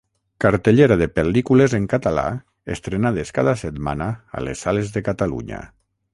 Cartellera de pel·lícules en català estrenades cada setmana a les sales de Catalunya.